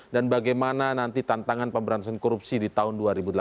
dan bagaimana nanti tantangan pemberantasan korupsi di tahun dua ribu delapan belas